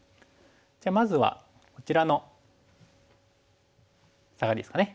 じゃあまずはこちらのサガリですかね。